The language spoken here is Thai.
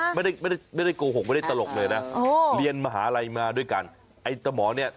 เข้าไปได้ดีมากเนอะ